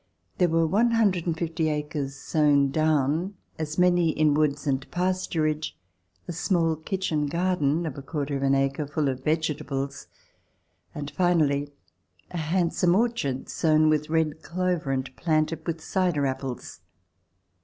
There were one hundred and fifty acres sown down, as many in woods and pasturage, a small kitchen garden of a quarter of an acre full of vegetables, and finally a handsome orchard sown with red clover and planted with cider apples.